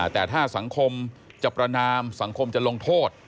แต่ถ้าสังคมจะประนามสังคมจะลงโทษ